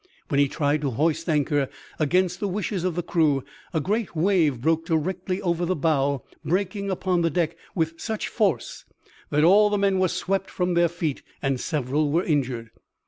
When he tried to hoist anchor against the wishes of the crew a great wave broke directly over the bow, breaking upon the deck with such force that all the men were swept from their feet and several were injured.